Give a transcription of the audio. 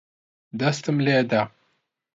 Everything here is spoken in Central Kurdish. دەستم لێ دا.